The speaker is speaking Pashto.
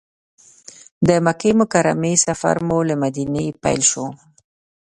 د مکې مکرمې سفر مو له مدینې پیل شو.